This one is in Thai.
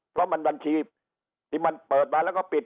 เพราะมันบัญชีที่มันเปิดมาแล้วก็ปิด